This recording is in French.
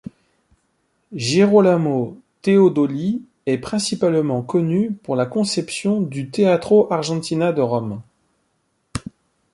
Gerolamo Theodoli est principalement connu pour la conception du Teatro Argentina de Rome.